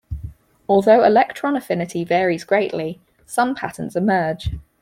Although electron affinity varies greatly, some patterns emerge.